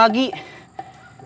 aku cariin dari pagi